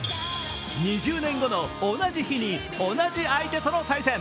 ２０年後の同じ日に同じ相手との対戦。